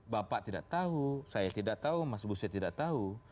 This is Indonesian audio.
bapak tidak tahu saya tidak tahu mas buset tidak tahu